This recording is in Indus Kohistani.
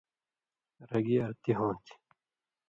رگی ارتی ہوں تھی